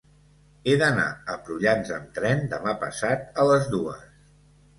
He d'anar a Prullans amb tren demà passat a les dues.